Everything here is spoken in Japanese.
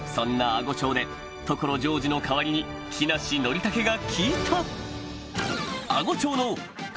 阿児町で所ジョージの代わりに木梨憲武が聞いた！